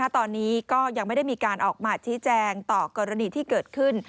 ตอนนี้ก็ยังไม่ได้มีการออกมาชี้แจงต่อกรณีที่เกิดขึ้น